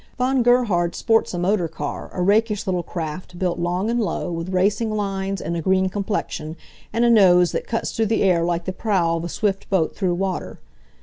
Von Gerhard sports a motor car, a rakish little craft, built long and low, with racing lines, and a green complexion, and a nose that cuts through the air like the prow of a swift boat through water.